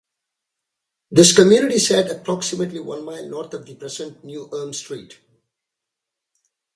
This community sat approximately one mile north of the present New Ulm site.